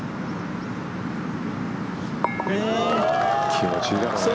気持ちいいだろうね。